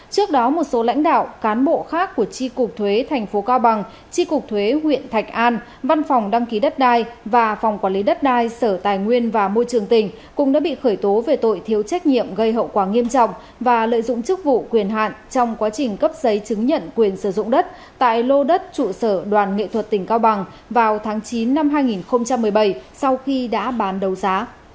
trước đó một số lãnh đạo cán bộ khác của tri cục thuế thành phố cao bằng tri cục thuế huyện thạch an văn phòng đăng ký đất đai và phòng quản lý đất đai sở tài nguyên và môi trường tỉnh cũng đã bị khởi tố về tội thiếu trách nhiệm gây hậu quả nghiêm trọng và lợi dụng chức vụ quyền hạn trong quá trình cấp giấy chứng nhận quyền sử dụng đất tại lô đất trụ sở đoàn nghệ thuật tỉnh cao bằng vào tháng chín năm hai nghìn một mươi bảy sau khi đã bán đầu giá